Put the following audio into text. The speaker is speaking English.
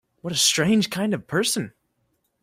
What a strange kind of person!